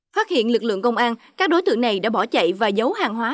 phát hiện lực lượng công an các đối tượng này đã bỏ chạy và giấu hàng hóa